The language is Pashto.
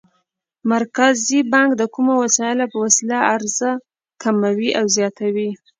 مرکزي بانک د کومو وسایلو په وسیله عرضه کموي او زیاتوي؟